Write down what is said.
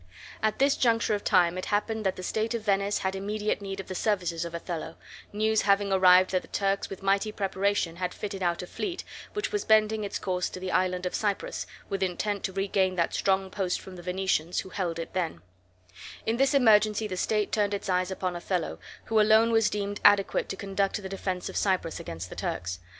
At this juncture of time it happened that the state of Venice had immediate need of the services of Othello, news having arrived that the Turks with mighty preparation had fitted out a fleet, which was bending its course to the island of Cyprus, with intent to regain that strong post from the Venetians, who then held it; in this emergency the state turned its eyes upon Othello, who alone was deemed adequate to conduct the defense of Cyprus against the Turks.